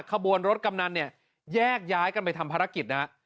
ขบวนรถกำนันเนี่ยแยกย้ายกันไปทำภารกิจนะฮะ